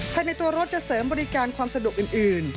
ภายในตัวรถจะเสริมบริการความสะดวกอื่น